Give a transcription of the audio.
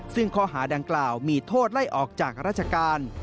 ซึ่งข้อหาดังกล่าวมีโทษไล่ออกจากราชการ